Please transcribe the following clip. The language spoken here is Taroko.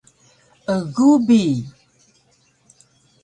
egu bi